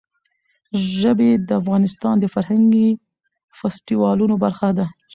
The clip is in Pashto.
ژبې د افغانستان د فرهنګي فستیوالونو برخه ده.